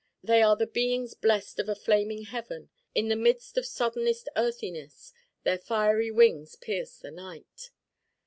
They are the beings blest of a flaming Heaven. In the midst of soddenest earthiness their fiery wings 'pierce the night.